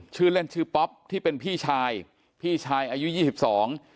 ชื่อเล่นชื่อป๊อปที่เป็นพี่ชายพี่ชายอายุยี่สิบสอง